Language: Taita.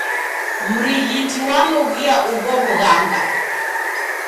Mrighiti wanughia ugho w'ughanga.